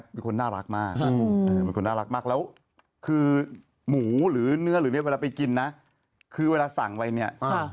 มีคนน่ารักมากคือหมูหรือเนื้อหรือเวลาไปกินนะคือเวลาสั่งไว้เนี่ย